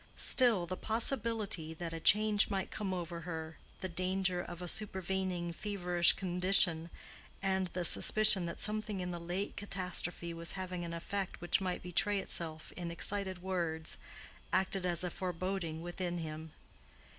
Still, the possibility that a change might come over her, the danger of a supervening feverish condition, and the suspicion that something in the late catastrophe was having an effect which might betray itself in excited words, acted as a foreboding within him.